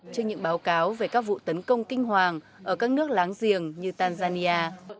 trên những báo cáo về các vụ tấn công kinh hoàng ở các nước láng giềng như tanzania